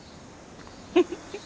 フフフッ。